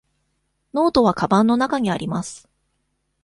ノートはかばんの中にあります。